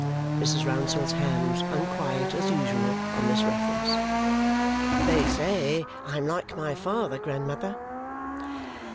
Mrs. Rouncewell's hands unquiet, as usual, on this reference. "They say I am like my father, grandmother."